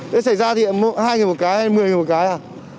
nếu xảy ra thì hai người một cái hay một mươi người một cái à